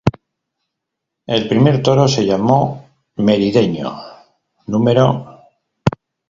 El primer toro se llamó "Merideño", No.